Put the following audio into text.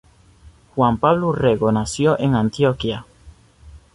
Juan Pablo Urrego nació en Antioquia.